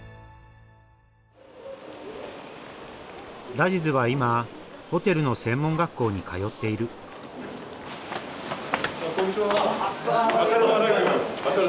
ラジズは今ホテルの専門学校に通っているこんにちは！